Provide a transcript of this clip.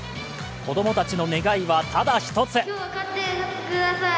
子供たちの願いは、ただ一つ。